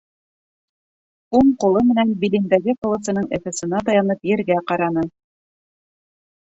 Уң ҡулы менән билендәге ҡылысының эфесына таянып, ергә ҡараны.